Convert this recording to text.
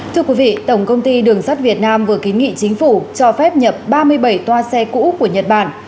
thưa quý vị tổng công ty đường sắt việt nam vừa kiến nghị chính phủ cho phép nhập ba mươi bảy toa xe cũ của nhật bản